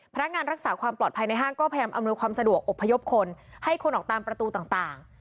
พนักงานรักษาความปลอดภัยในห้างก็พยายามอำนวยความสะดวกอบพยพคนให้คนออกตามประตูต่าง